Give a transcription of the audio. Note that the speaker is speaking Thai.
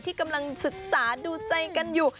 กำลังศึกษาดูใจกันอยู่